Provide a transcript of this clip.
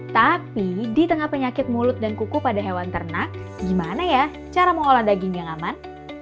tapi di tengah penyakit mulut dan kuku pada hewan ternak gimana ya cara mengolah daging yang aman